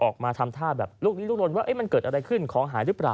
ออกมาทำท่าแบบลุกลีลุกลนว่ามันเกิดอะไรขึ้นของหายหรือเปล่า